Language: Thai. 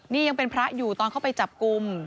นี่ยังเป็นพระอยู่ตอนเข้าไปจับกลุ่ม